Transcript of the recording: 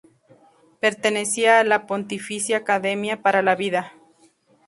Pertenecía a la Pontificia Academia para la Vida.